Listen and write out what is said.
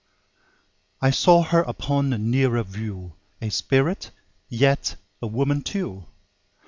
I saw her upon a nearer view, A Spirit, yet a Woman too!